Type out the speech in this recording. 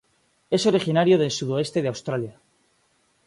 Es originario del sudoeste de Australia.